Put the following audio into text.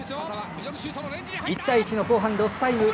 １対１の後半ロスタイム。